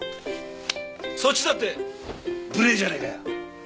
そっちだって無礼じゃねえかよ。